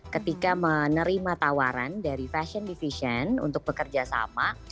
ketika menerima tawaran dari fashion division untuk bekerja sama